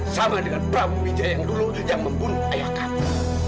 sama dengan prabu wijaya yang dulu yang membunuh ayah kamu